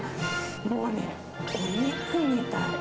もうお肉みたい。